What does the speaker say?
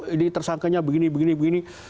ini tersangkanya begini begini